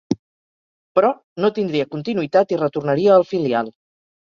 Però, no tindria continuïtat i retornaria al filial.